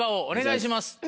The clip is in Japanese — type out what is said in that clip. お願いします。